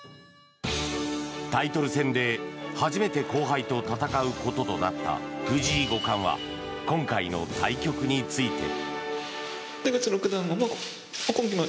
タイトル戦で初めて後輩と戦うこととなった藤井五冠は今回の対局について。